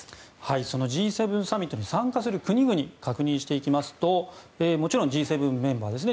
そのＧ７サミットに参加する国々を確認していきますともちろんＧ７メンバーですね。